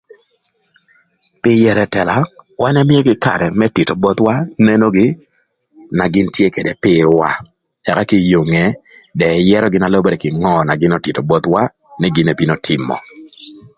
Pï yërö ëtëla, wan ëmïögï karë më tïtö bothwa nenogï na gïn tye ködë pïrwa ëka kinge dong ëyërögï na lübërë kï ngö na gïn ötïtö bothwa nï gïn ebino tïmö.